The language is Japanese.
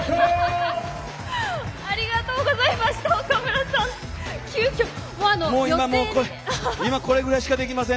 ありがとうございました岡村さん。